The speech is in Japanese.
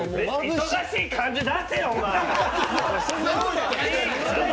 忙しい感じ出せよ！